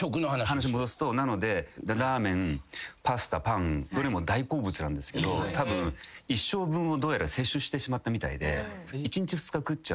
話戻すとなのでラーメンパスタパンどれも大好物なんですけど一生分をどうやら摂取してしまったみたいで。